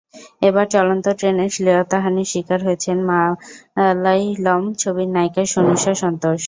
এবার চলন্ত ট্রেনে শ্লীলতাহানির শিকার হয়েছেন মালায়লম ছবির নায়িকা সনুশা সন্তোষ।